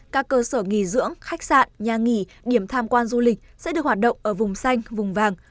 các cơ sở nghỉ dưỡng khách sạn nhà nghỉ điểm tham quan du lịch sẽ được hoạt động ở vùng xanh vùng vàng